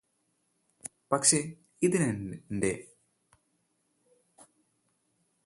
പക്ഷേ ഇതിനെന്റെ